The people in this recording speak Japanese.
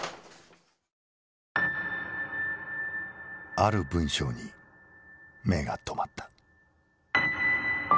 ある文章に目が留まった。